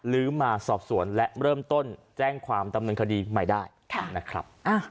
ื้อมาสอบสวนและเริ่มต้นแจ้งความดำเนินคดีใหม่ได้นะครับ